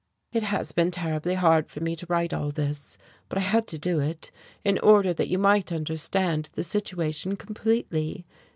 "It has been terribly hard for me to write all this, but I had to do it, in order that you might understand the situation completely.